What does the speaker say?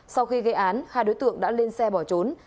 sau khi gây án hai đối tượng đã lên xe bỏ trốn